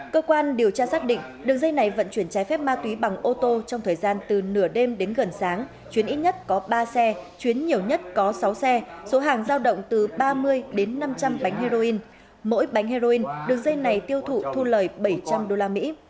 cơ quan điều tra xác định đường dây này vận chuyển trái phép ma túy bằng ô tô trong thời gian từ nửa đêm đến gần sáng chuyến ít nhất có ba xe chuyến nhiều nhất có sáu xe số hàng giao động từ ba mươi đến năm trăm linh bánh heroin mỗi bánh heroin được dây này tiêu thụ thu lời bảy trăm linh usd